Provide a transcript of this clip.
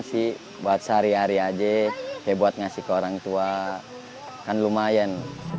sih buat sehari hari aja ya buat ngasih ke orang tua kan lumayan